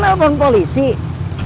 saya mau berhenti jadi copet